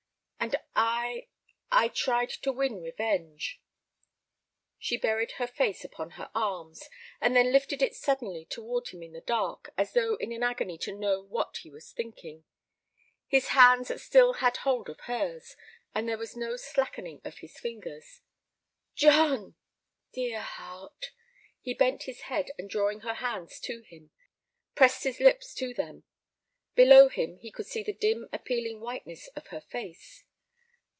"And I—I tried to win revenge." She buried her face upon her arms, and then lifted it suddenly toward him in the dark, as though in an agony to know what he was thinking. His hands still had hold of hers, and there was no slackening of his fingers. "John!" "Dear heart!" He bent his head, and drawing her hands to him, pressed his lips to them. Below him he could see the dim, appealing whiteness of her face.